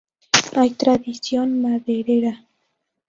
Hay tradición maderera.